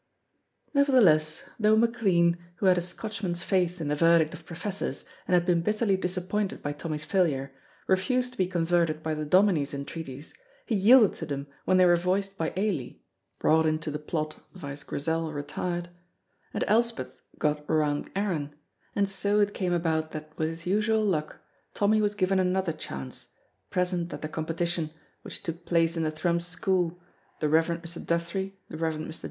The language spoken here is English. Nevertheless, though McLean, who had a Scotchman's faith in the verdict of professors, and had been bitterly disappointed by Tommy's failure, refused to be converted by the Dominie's entreaties, he yielded to them when they were voiced by Ailie (brought into the plot vice Grizel retired), and Elspeth got round Aaron, and so it came about that with his usual luck, Tommy was given another chance, present at the competition, which took place in the Thrums school, the Rev. Mr. Duthie, the Rev. Mr.